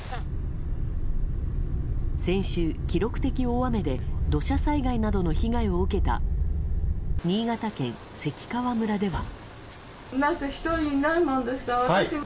先週、記録的大雨で土砂災害などの被害を受けた新潟県関川村では。